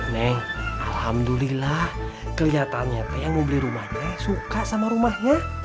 nih alhamdulillah kelihatannya teh yang mau beli rumahnya suka sama rumahnya